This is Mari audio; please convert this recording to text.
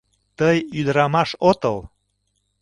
Тый ӱдырамаш отыл!